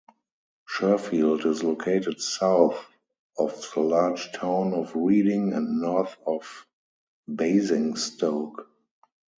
Sherfield is located south of the large town of Reading and north of Basingstoke.